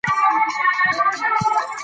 چې ښه ګټه واخلئ.